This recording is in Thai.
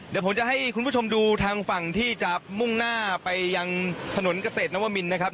เดี๋ยวผมจะให้คุณผู้ชมดูทางฝั่งที่จะมุ่งหน้าไปยังถนนเกษตรนวมินนะครับ